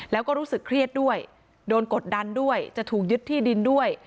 แล้วก็รู้สึกเครียดด้วยโดนกดดันด้วยจะถูกยึดที่ดินด้วย